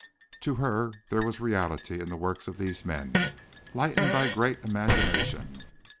To her there was reality in the works of these men, lightened by great imagination.